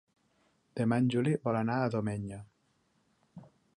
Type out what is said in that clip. Demà en Juli vol anar a Domenyo.